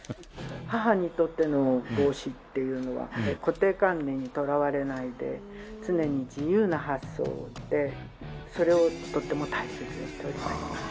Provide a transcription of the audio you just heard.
母にとっての帽子っていうのは固定観念にとらわれないで常に自由な発想でそれをとっても大切にしております。